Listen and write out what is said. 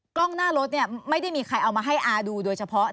กล้องหน้ารถเนี่ยไม่ได้มีใครเอามาให้อาดูโดยเฉพาะ